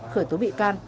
khởi tố bị can